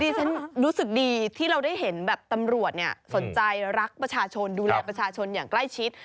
ฉันรู้สึกดีที่เราได้เห็นแบบตำรวจสนใจรักประชาชนดูแลประชาชนอย่างใกล้ชิด